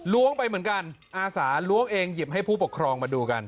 ้วงไปเหมือนกันอาสาล้วงเองหยิบให้ผู้ปกครองมาดูกัน